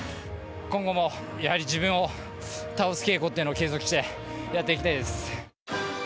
今後もやはり自分を倒す稽古っていうのを継続してやっていきたいです。